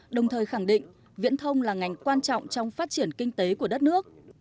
đồng thời khẳng định viễn thông là ngành quan trọng trong phát triển kinh tế của đất nước